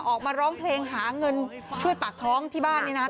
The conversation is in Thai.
ออกมาร้องเพลงหาเงินช่วยปากท้องที่บ้านนี่นะครับ